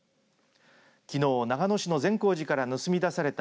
きのう長野市の善光寺から盗み出された